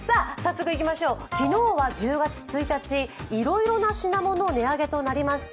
昨日は１０月１日いろいろな品物が値上げとなりました。